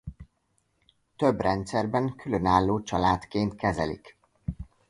Több rendszerben különálló családként kezelik.